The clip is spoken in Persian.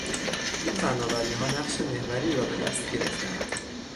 این فناوریها نقش محوری را به دست گرفتهاند